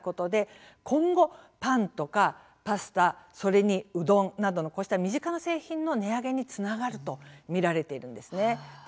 今後、パンとかパスタそれに、うどんなどのこうした身近な製品の値上げにつながると見られているんです。